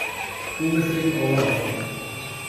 او مثل یک آقا رفتار میکرد.